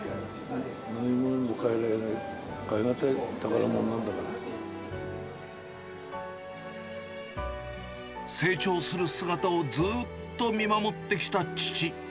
何ものにも代えられない、成長する姿をずーっと見守ってきた父。